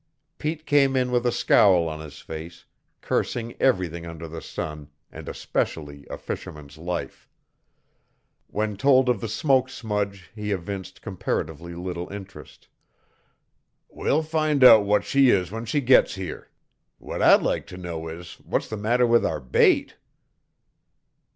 Pete came in with a scowl on his face, cursing everything under the sun, and especially a fisherman's life. When told of the smoke smudge he evinced comparatively little interest. "We'll find out what she is when she gets here. What I'd like to know is, what's the matter with our bait?"